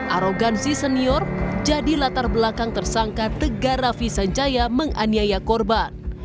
arogansi senior jadi latar belakang tersangka tega rafi sanjaya menganiaya korban